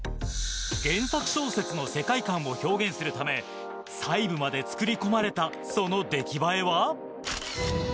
・原作小説の世界観を表現するため細部まで作り込まれたその出来栄えは？